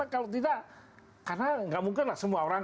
karena enggak mungkin semua orang